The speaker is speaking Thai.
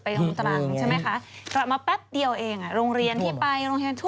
ไปด้านบนตรางใช่มั้ยคะ